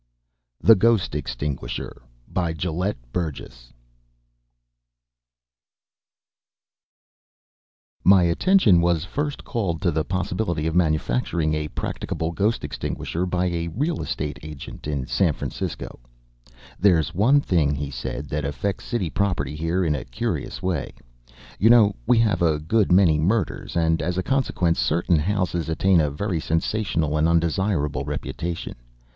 The Ghost Extinguisher BY GELETT BURGESS My attention was first called to the possibility of manufacturing a practicable ghost extinguisher by a real estate agent in San Francisco. "There's one thing," he said, "that affects city property here in a curious way. You know we have a good many murders, and, as a consequence, certain houses attain a very sensational and undesirable reputation.